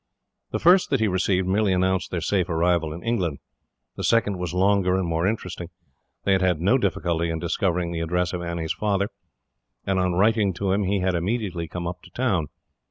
The first that he received merely announced their safe arrival in England. The second was longer and more interesting. They had had no difficulty in discovering the address of Annie's father, and on writing to him, he had immediately come up to town.